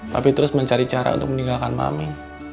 papi terus mencari cara untuk meninggalkan mami